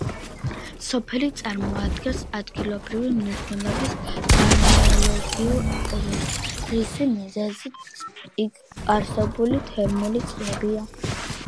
სოფელი წარმოადგენს ადგილობრივი მნიშვნელობის ბალნეოლოგიურ კურორტს, რისი მიზეზიც იქ არსებული თერმული წყლებია.